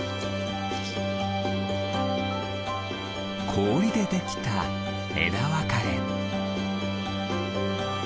こおりでできたえだわかれ。